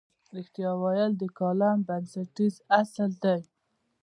رښتیا لیکل د کالم بنسټیز اصل دی.